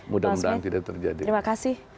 pak asmi terima kasih